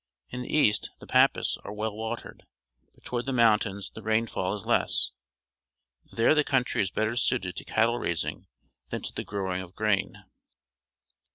In the east the pampas are well watered, but toward the mountains the rainfall is less. There the country is better suited to cattle raising than to the growing of grain.